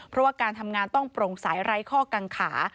เพราะว่าการทำงานต้องโปร่งใสไร้ข้อกังขา